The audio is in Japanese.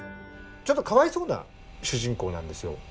ちょっとかわいそうな主人公なんですよ。